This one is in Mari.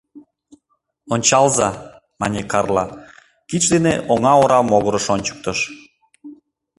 — Ончалза, — мане Карла, кидше дене оҥа ора могырыш ончыктыш.